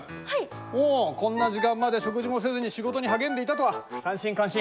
おおこんな時間まで食事もせずに仕事に励んでいたとは感心感心！